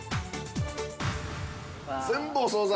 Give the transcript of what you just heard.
◆全部お惣菜。